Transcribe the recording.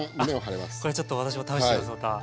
これちょっと私も試してみますまた。